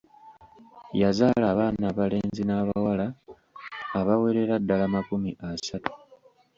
Yazaala abaana abalenzi n'abawala abawerera ddala makumi asatu.